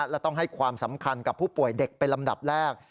และต้องให้ความสำคัญกับผู้ป่วยเด็กเป็นลำดับแรก